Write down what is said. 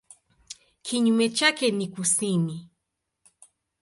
Kinyume chake ni kusini.